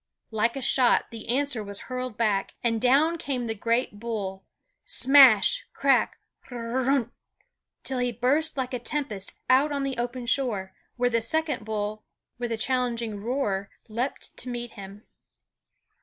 Like a shot the answer was hurled back, and down came the great bull smash, crack, r r runh! till he burst like a tempest out on the open shore, where the second bull with a challenging roar leaped to meet him.